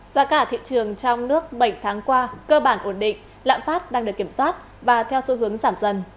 giá cả thị trường trong nước bảy tháng qua cơ bản ổn định lạm phát đang được kiểm soát và theo xu hướng giảm dần